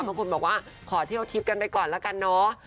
บางคนบอกว่าขอเที่ยวทิพย์กันไปก่อนแล้วกันเนาะ